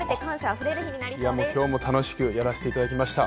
今日も楽しくやらせていただきました。